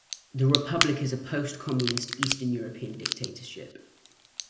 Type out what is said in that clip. The republic is a post-communist Eastern European dictatorship.